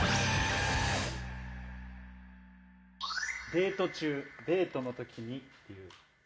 デート中デートの時にっていう。